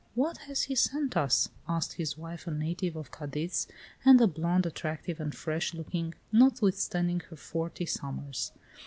"What has he sent us?" asked his wife, a native of Cadiz, and a blonde, attractive and fresh looking, notwithstanding her forty summers.